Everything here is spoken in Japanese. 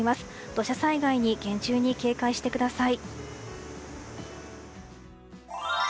土砂災害に厳重に警戒してください。